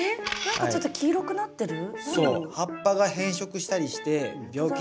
何かちょっと黄色くなってる？